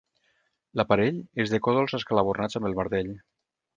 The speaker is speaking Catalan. L'aparell és de còdols escalabornats amb el martell.